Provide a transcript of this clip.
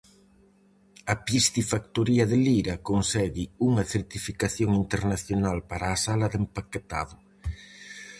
A piscifactoría de Lira consegue unha certificación internacional para a sala de empaquetado.